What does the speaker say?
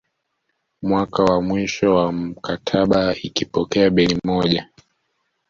Mwaka wa mwisho wa mkataba ikipokea bilioni moja